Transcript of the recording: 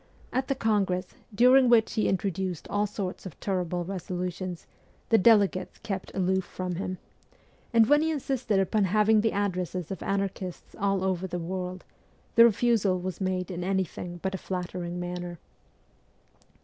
At the congress, during which he introduced all sorts of terrible resolutions, the delegates kept aloof from him ; 296 MEMOIRS OF A REVOLUTIONIST and when he insisted upon having the addresses of anarchists all over the world, the refusal was made in anything but a flattering manner.